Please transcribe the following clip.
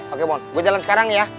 oke mon gue jalan sekarang ya